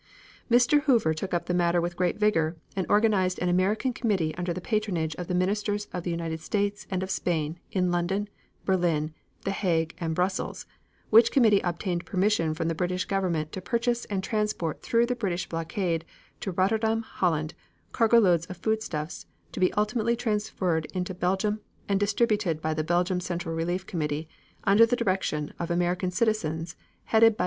Mr. Hoover took up the matter with great vigor, and organized an American committee under the patronage of the ministers of the United States and of Spain in London, Berlin, The Hague and Brussels, which committee obtained permission from the British Government to purchase and transport through the British blockade, to Rotterdam, Holland, cargoes of foodstuffs, to be ultimately transferred into Belgium and distributed by the Belgian Central Relief Committee under the direction of American citizens headed by Mr. Brand Whitlock.